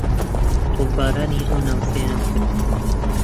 تۆپبارانی ئەو ناوچەیان کرد